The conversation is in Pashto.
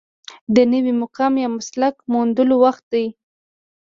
د نوي مقام یا مسلک موندلو وخت دی.